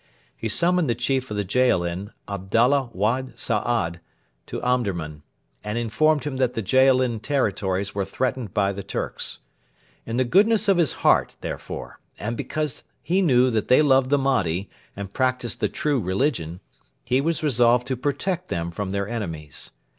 He summoned the chief of the Jaalin, Abdalla Wad Saad, to Omdurman, and informed him that the Jaalin territories were threatened by the Turks. In the goodness of his heart, therefore, and because he knew that they loved the Mahdi and practised the true religion, he was resolved to protect them from their enemies.